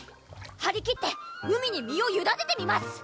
はり切って海に身を委ねてみます！